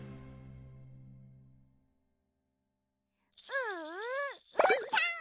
ううーたん！